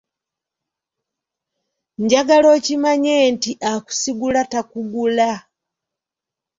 Njagala okimanye nti akusigula takugula.